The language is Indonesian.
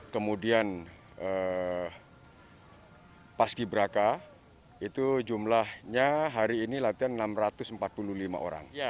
kemudian paski beraka itu jumlahnya hari ini latihan enam ratus empat puluh lima orang